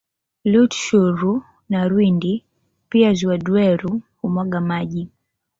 Rutshuru na Rwindi Pia ziwa Dweru humwaga maji